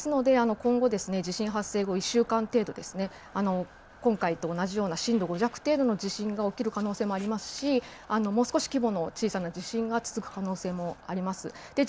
ですので今後、地震発生後１週間程度、今回と同じような震度５弱程度の地震が起きる可能性もありますしもう少し規模の小さな地震が続く可能性もあります。